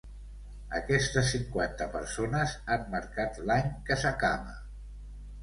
Aquestes cinquanta persones han marcat l’any que s’acaba.